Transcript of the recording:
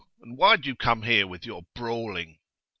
And why do you come here with your brawling?